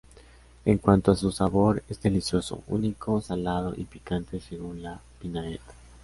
En cuanto a su sabor, es delicioso, único, salado y picante según la vinagreta.